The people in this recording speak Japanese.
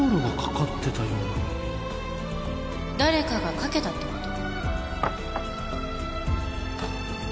誰かがかけたってこと？